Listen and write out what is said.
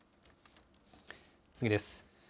次です。